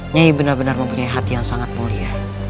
nyai benar benar mempunyai hati yang sangat mulia